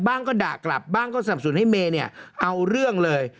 บ้างก็ด่ากลับบ้างก็สรรพสูจน์ให้เมนิ่อเอาเรื่องเลย